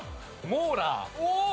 モーラー。